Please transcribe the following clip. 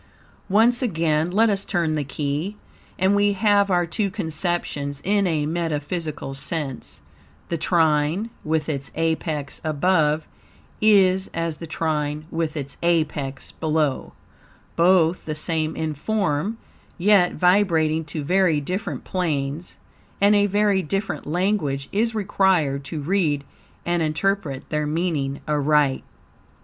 Once again let us turn the key, and we have our two conceptions in a metaphysical sense; the trine with its apex above is as the trine with its apex below, both the same in form, yet vibrating to very different planes, and a very different language is required to read and interpret their meaning aright.